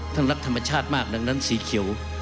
ท่านรักธรรมชาติมากดังนั้นสีเขียว